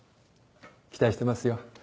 期待してますよ。